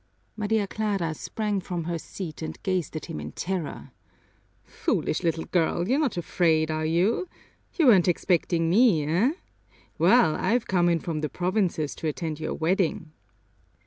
Maria Clara sprang from her seat and gazed at him in terror. "Foolish little girl, you're not afraid, are you? You weren't expecting me, eh? Well, I've come in from the provinces to attend your wedding."